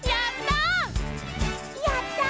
やった！